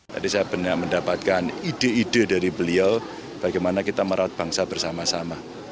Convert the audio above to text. tadi saya benar mendapatkan ide ide dari beliau bagaimana kita merawat bangsa bersama sama